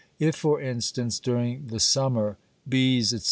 If, for instance, during the summer, bees, etc.